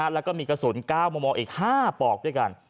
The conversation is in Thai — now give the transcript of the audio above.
แล้วก็มีกระสุน๙มมอีก๕ปอกด้วยกัน